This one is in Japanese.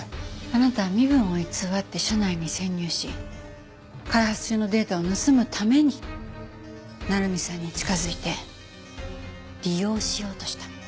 あなたは身分を偽って社内に潜入し開発中のデータを盗むために成実さんに近づいて利用しようとした。